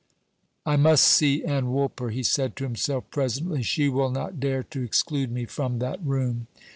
"I must see Ann Woolper," he said to himself, presently, "she will not dare to exclude me from that room."